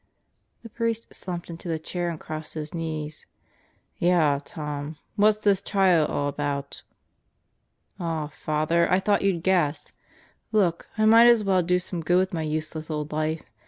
The priest slumped into the chair and crossed his knees. "Yeah, Tom. What's this trial all about?" "Aw, Father, I thought you'd guess. Look, I might as well do some good with my useless old life.